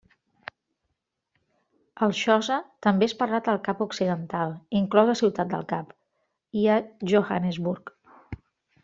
El xosa també és parlat al Cap Occidental -inclosa Ciutat del Cap– i a Johannesburg.